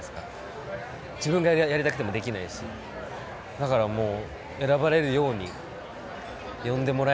だからもう。